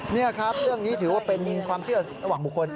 นี่ครับเรื่องนี้ถือว่าเป็นความเชื่อระหว่างบุคคล